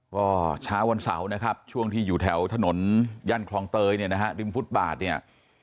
ก็เช้าวันเสาร์นะครับช่วงที่อยู่แถวถนนย่านคลองเตยดินภูตบาทเนี่ย